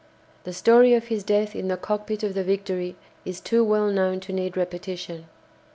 The story of his death in the cockpit of the "Victory" is too well known to need repetition.